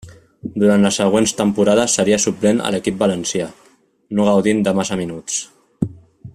Durant les següents temporades seria suplent a l'equip valencià, no gaudint de massa minuts.